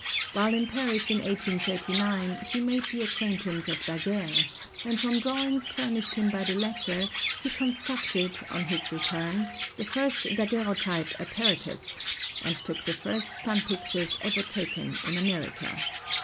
While in Paris in 1839 he made the acquaintance of Daguerre, and from drawings furnished him by the latter, he constructed, on his return, the first daguerreotype apparatus, and took the first sun pictures ever taken in America.